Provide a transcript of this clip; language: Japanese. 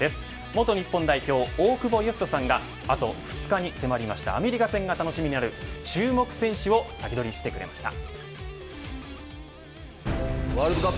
元日本代表、大久保嘉人さんがあと２日に迫ったアメリカ戦が楽しみになる注目選手をサキドリしてくれました。